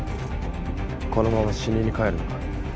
このまま死にに帰るのか？